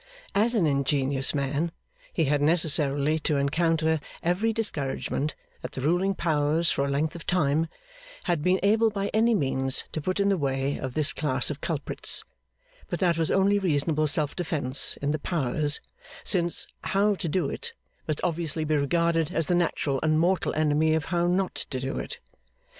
As an ingenious man, he had necessarily to encounter every discouragement that the ruling powers for a length of time had been able by any means to put in the way of this class of culprits; but that was only reasonable self defence in the powers, since How to do it must obviously be regarded as the natural and mortal enemy of How not to do it.